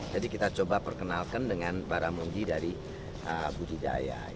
jadi kita coba perkenalkan dengan baramundi dari budidaya